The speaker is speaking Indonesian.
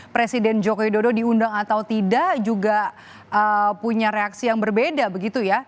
presiden joko widodo diundang atau tidak juga punya reaksi yang berbeda begitu ya